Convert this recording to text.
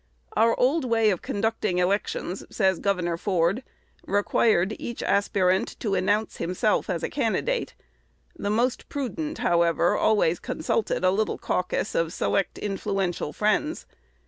"Our old way of conducting elections," says Gov. Ford, "required each aspirant to announce himself as a candidate. The most prudent, however, always consulted a little caucus of select, influential friends.